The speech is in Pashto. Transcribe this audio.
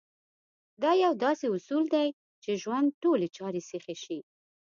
دا يو داسې اصول دی چې ژوند ټولې چارې سيخې شي.